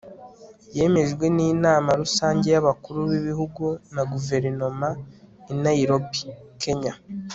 yemejwe n'inama rusange ya y'abakuru b'ibihugu n'aba guverinoma i naïrobi (kenya)